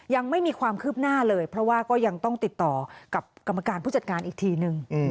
ยังไม่มีความคืบหน้าเลยเพราะว่าก็ยังต้องติดต่อกับกรรมการผู้จัดการอีกทีนึง